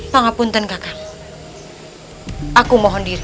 pengapunten kakak aku mohon diri